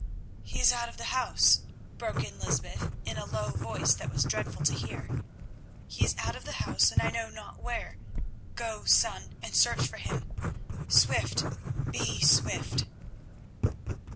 "He is out of the house," broke in Lysbeth in a low voice that was dreadful to hear. "He is out of the house, I know not where. Go, son, and search for him. Swift! Be swift!"